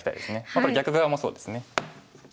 これ逆側もそうですね。